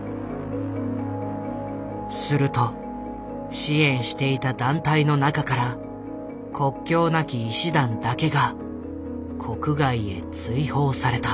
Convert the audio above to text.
すると支援していた団体の中から国境なき医師団だけが国外へ追放された。